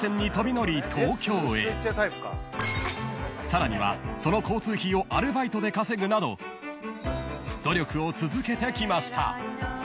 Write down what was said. ［さらにはその交通費をアルバイトで稼ぐなど努力を続けてきました］